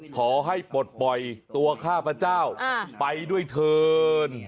ขอให้ปลดปล่อยตัวข้าพเจ้าไปด้วยเถิน